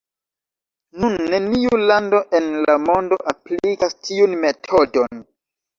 Nun neniu lando en la mondo aplikas tiun metodon.